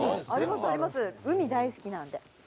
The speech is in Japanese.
海大好きなんで」